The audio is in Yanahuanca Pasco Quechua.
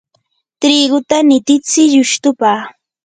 triguta nititsi llustupa.